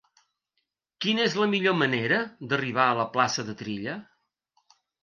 Quina és la millor manera d'arribar a la plaça de Trilla?